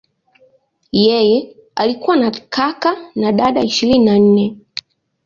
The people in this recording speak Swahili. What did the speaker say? Yeye alikuwa na kaka na dada ishirini na nne.